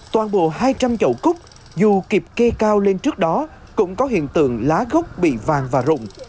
toàn bộ hai trăm linh chậu cúc dù kịp kê cao lên trước đó cũng có hiện tượng lá gốc bị vàng và rụng